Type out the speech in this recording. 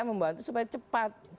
membantu supaya cepat